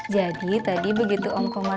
jadi tadi begitu om komar nangis